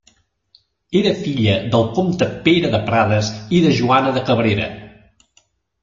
Era filla del comte Pere de Prades i de Joana de Cabrera.